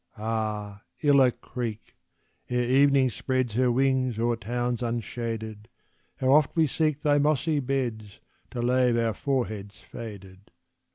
Ah, Illa Creek! ere evening spreads Her wings o'er towns unshaded, How oft we seek thy mossy beds To lave our foreheads faded!